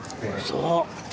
そう！